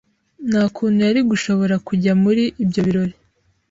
Nta kuntu yari gushobora kujya muri ibyo birori.